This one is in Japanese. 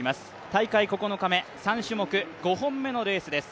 大会９日目、３種目、５本目のレースです。